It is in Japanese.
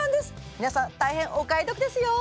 皆さん大変お買い得ですよ！